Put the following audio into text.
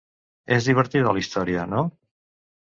És divertida la història, no?